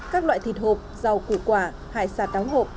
các loại thịt hộp rau củ quả hải sả táng hộp